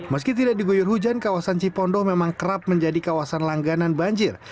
meski tidak digoyor hujan kawasan cipondo memang kerap menjadi kawasan langganan banjir